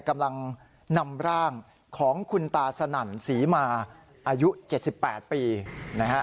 กำลังนำร่างของคุณตาสนั่นศรีมาอายุ๗๘ปีนะฮะ